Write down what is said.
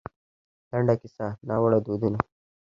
لـنـډه کيـسـه :نـاوړه دودونـه